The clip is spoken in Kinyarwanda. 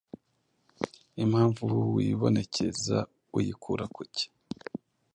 Impamvu wibonekeza uyikura kuki,